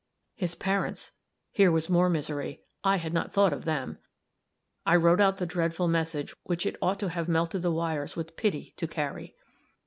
His parents here was more misery. I had not thought of them. I wrote out the dreadful message which it ought to have melted the wires with pity to carry.